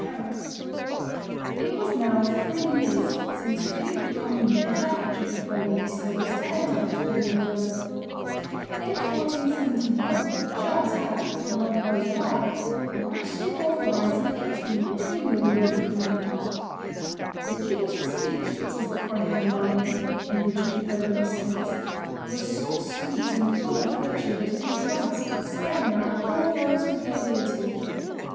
[Illustration: Philip de Commynes 217] It was now three years since Philip de Commynes had left the Duke of Burgundy's service to enter that of Louis XI. In 1471 Charles had, none knows why, rashly authorized an interview between Louis and De Commynes. "The king's speech," says the chronicler Molinet, in the Duke of Burgundy's service, "was so sweet and full of virtue that it entranced, siren like, all those who gave ear to it."